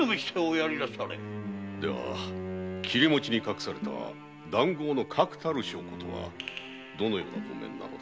切餅に隠された談合の確たる証拠とはどのような文面なのだ？